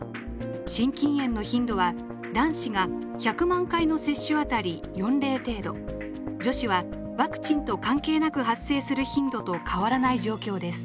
心筋炎の頻度は男子が１００万回の接種あたり４例程度女子はワクチンと関係なく発生する頻度と変わらない状況です。